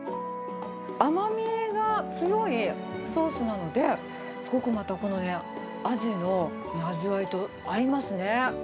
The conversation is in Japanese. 甘みが強いソースなので、すごくまたこのね、アジの味わいと合いますね。